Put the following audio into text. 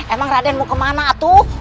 emang raden mau ke mana atu